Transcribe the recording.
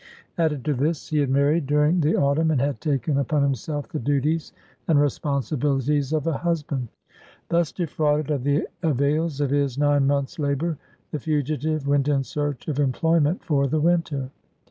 Added to this, he 46 BIOGRAPHY OF had married during the autumn, and had taken upon himself the duties and responsibilities of a husband. Thus defrauded of the avails of his nine months' labor, the fugitive went in search of employment for the winter.